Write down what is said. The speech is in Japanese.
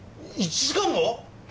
１時間も！？